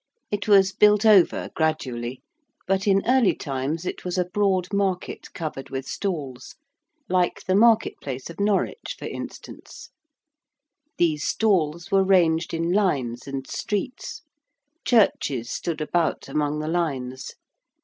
It was built over gradually, but in early times it was a broad market covered with stalls, like the market place of Norwich, for instance; these stalls were ranged in lines and streets: churches stood about among the lines.